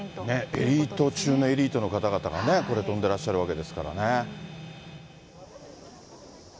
エリート中のエリートの方々がね、これ、飛んでらっしゃるわけですからね。